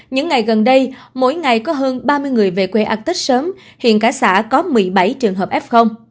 những ngày gần đây mỗi ngày có hơn ba mươi người về quê ăn tết sớm hiện cả xã có một mươi bảy trường hợp f